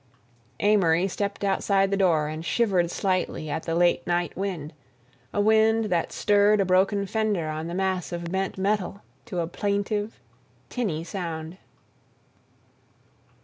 Amory stepped outside the door and shivered slightly at the late night wind—a wind that stirred a broken fender on the mass of bent metal to a plaintive, tinny sound.